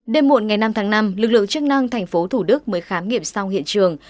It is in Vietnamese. đêm muộn ngày năm tháng năm lực lượng chức năng tp thủ đức mới khám nghiệm sau hiện trường